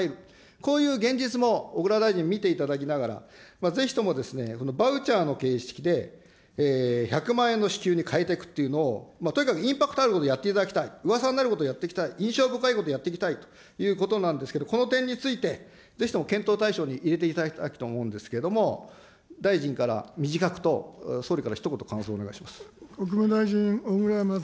こういう現実も小倉大臣、見ていただきながら、ぜひともバウチャーの形式で、１００万円の支給に変えていくっていうのを、とにかくインパクトあることやっていただきたい、うわさになることやっていきたい、印象になることをやっていきたいということなんですけど、この点について、ぜひとも検討対象に入れていただきたいと思うんですけども、大臣から短くと、総理からひと言、感想をお願いします。